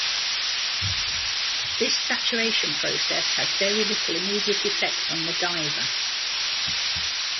This saturation process has very little immediate effect on the diver.